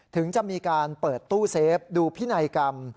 ถึงจะมีการเปิดตู้เซฟดูพินัยกรรม